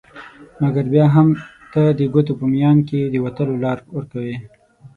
مګر بیا هم ته د ګوتو په میان کي د وتلو لار ورکوي